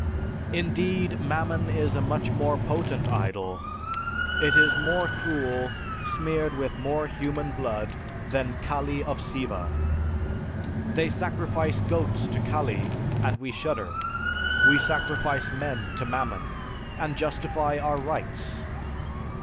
Indeed, Mammon is a much more potent idol, it is more cruel, smeared with more human blood, than Kali of Siva. They sacrifice goats to Kali and we shudder; we sacrifice men to Mammon and justify our 'rights.'